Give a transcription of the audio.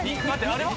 あれは？